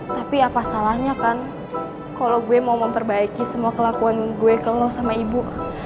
tapi apa salahnya kan kalau gue mau memperbaiki semua kelakuan gue kalau sama ibu